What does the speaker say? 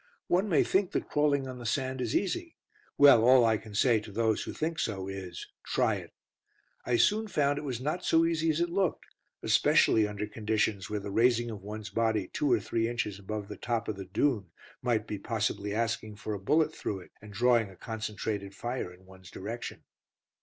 One may think that crawling on the sand is easy; well, all I can say to those who think so is, "Try it." I soon found it was not so easy as it looked, especially under conditions where the raising of one's body two or three inches above the top of the dune might be possibly asking for a bullet through it, and drawing a concentrated fire in one's direction.